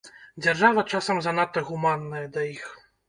Дзяржава часам занадта гуманная да іх.